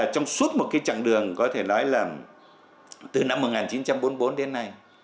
trong suốt một chặng đường có thể nói là từ năm một nghìn chín trăm bốn mươi bốn đến nay